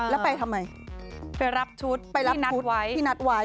แล้วไปทำไมไปรับชุดที่นัดไว้